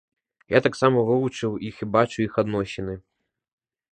Я таксама вывучыў іх і бачу іх адносіны.